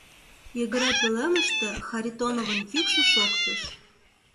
Йыгыре пӧлемыште Харитоновын йӱкшӧ шоктыш.